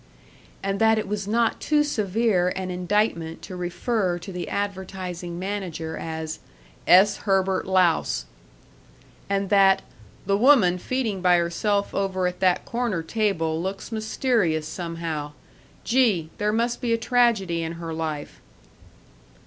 And that it was not too severe an indictment to refer to the advertising manager as "S. Herbert Louse." And that "the woman feeding by herself over at that corner table looks mysterious, somehow. Gee! there must be a tragedy in her life."